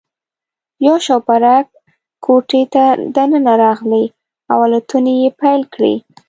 یو شوپرک کوټې ته دننه راغلی او الوتنې یې پیل کړې.